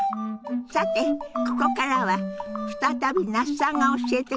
さてここからは再び那須さんが教えてくださるみたいよ。